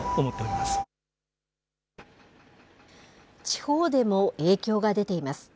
地方でも影響が出ています。